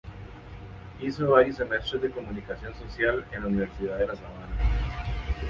Hizo varios semestres de Comunicación Social en la Universidad de la Sabana.